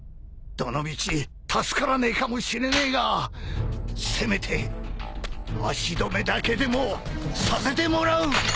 どのみち助からねえかもしれねえがせめて足止めだけでもさせてもらう！